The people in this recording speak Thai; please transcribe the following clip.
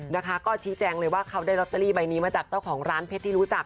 นะคะก็ชี้แจงเลยว่าเขาได้ลอตเตอรี่ใบนี้มาจากเจ้าของร้านเพชรที่รู้จัก